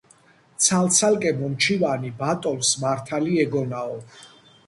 ცალ-ცალკე მომჩივანი ბატონს მართალი ეგონაო